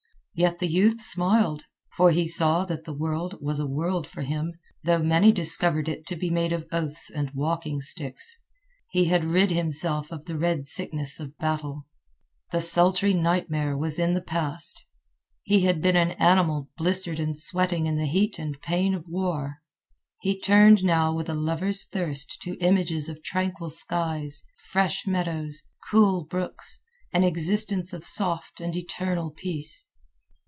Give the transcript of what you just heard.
Yet the youth smiled, for he saw that the world was a world for him, though many discovered it to be made of oaths and walking sticks. He had rid himself of the red sickness of battle. The sultry nightmare was in the past. He had been an animal blistered and sweating in the heat and pain of war. He turned now with a lover's thirst to images of tranquil skies, fresh meadows, cool brooks—an existence of soft and eternal peace.